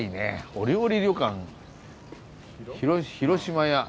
「御料理旅館廣島屋」。